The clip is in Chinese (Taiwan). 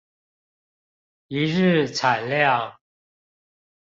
一日產量